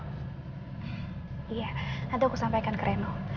iya nanti aku sampaikan ke reno